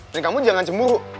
dan kamu jangan cemburu